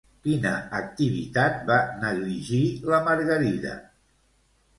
Quina activitat va negligir la Margarida?